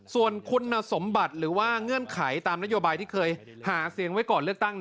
ส่วนคุณสมบัติหรือว่าเงื่อนไขตามนโยบายที่เคยหาเสียงไว้ก่อนเลือกตั้ง